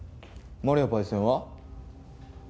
マリアパイセンは？